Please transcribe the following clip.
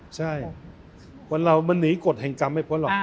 ใช่คนเรามันหนีกฎแห่งกรรมไม่พ้นหรอก